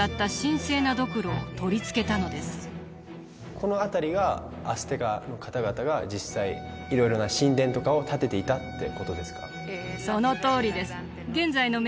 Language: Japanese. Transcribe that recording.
この辺りがアステカの方々が実際色々な神殿とかを建てていたってことですか？